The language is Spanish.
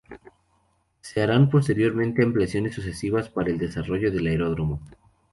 Se harán posteriormente ampliaciones sucesivas para el desarrollo del aeródromo.